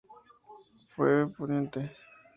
Fue pte.